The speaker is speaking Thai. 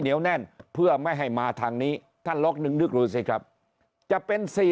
เหนียวแน่นเพื่อไม่ให้มาทางนี้ท่านล๊อคนึกรู้สิครับจะเป็น